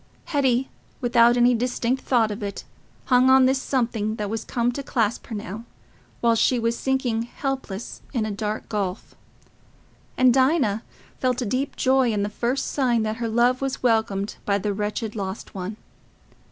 Hetty, without any distinct thought of it, hung on this something that was come to clasp her now, while she was sinking helpless in a dark gulf; and Dinah felt a deep joy in the first sign that her love was welcomed by the wretched lost one.